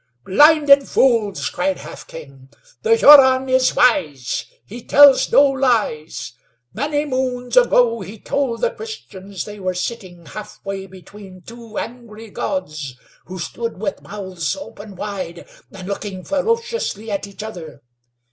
"Blinded fools!" cried Half King. "The Huron is wise; he tells no lies. Many moons ago he told the Christians they were sitting half way between two angry gods, who stood with mouths open wide and looking ferociously at each other.